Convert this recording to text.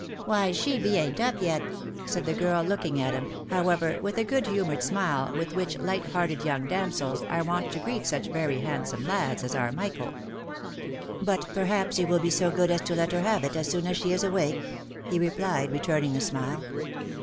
" Why she bean't up yet, " said the girl, looking at him, however, with the good humoured smile with which light hearted young dam sels are wont to greet such very handsome lads as our Michael. " But perhaps you will be so good as to let her have it as soon as she is awake ?" he replied, returning the smile.